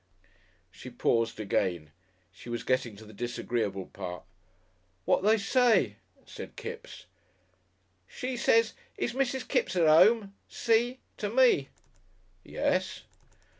She paused again. She was getting to the disagreeable part. "Wad they say?" said Kipps. "She says, 'Is Mrs. Kipps at home?' See? To me." "Yes."